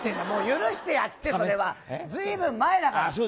もう許してやって、それはずいぶん前だから。